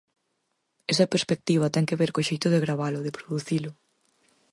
Esa perspectiva ten que ver co xeito de gravalo, de producilo.